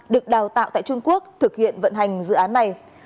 được đào tạo tại trung quốc thực hiện vận hành dự án này